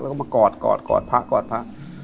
แล้วก็มากอดกอดกอดพระกอดพระ